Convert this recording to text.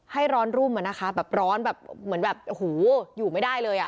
ให้ร้อนรุ่มเหมือนแบบร้อนเหมือนแบบหูอยู่ไม่ได้เลย